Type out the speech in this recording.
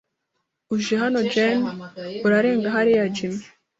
Uje hano, Jane, urarenga hariya, Jim